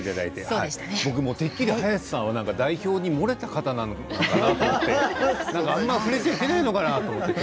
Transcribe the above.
僕もてっきり早瀬さんは代表に漏れた方なのかなと思ってあまり触れたらいけないのかなと。